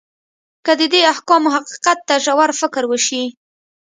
که د دې احکامو حقیقت ته ژور فکر وشي.